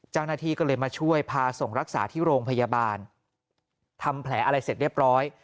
เจ้าหน้าที่ก็เลยมาช่วยพาส่งรักษาที่โรงพยาบาลทำแผลอะไรเสร็จเรียบร้อย